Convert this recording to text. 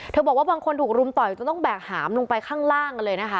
บอกว่าบางคนถูกรุมต่อยจนต้องแบกหามลงไปข้างล่างกันเลยนะคะ